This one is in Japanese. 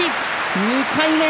２回目。